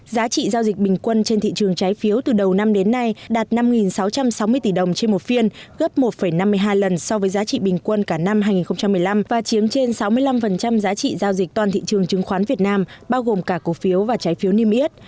giá trị giao dịch bình quân trên thị trường trái phiếu từ đầu năm đến nay đạt năm sáu trăm sáu mươi tỷ đồng trên một phiên gấp một năm mươi hai lần so với giá trị bình quân cả năm hai nghìn một mươi năm và chiếm trên sáu mươi năm giá trị giao dịch toàn thị trường chứng khoán việt nam bao gồm cả cổ phiếu và trái phiếu niêm yết